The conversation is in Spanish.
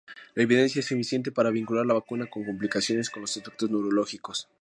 La evidencia es insuficiente para vincular la vacuna con complicaciones como los efectos neurológicos.